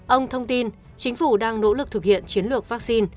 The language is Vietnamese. ông thông tin chính phủ đang nỗ lực thực hiện chiến lược vaccine